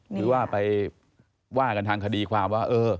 หรือว่าไปว่ากันทางคดีความว่า